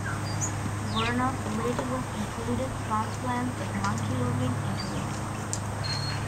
Voronoff's later work included transplants of monkey ovaries into women.